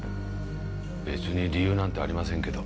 別に理由なんてありませんけど。